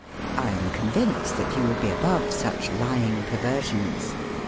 I am convinced that you would be above such ly ing perversions.